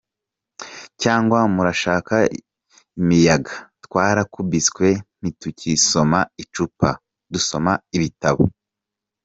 cyangwa murashaka imiyaga? Twarakubiswe ntitugisoma icupa, dusoma ibitabo.